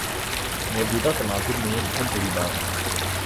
موجودہ تناظر میں یہ بہت بڑی بات ہے۔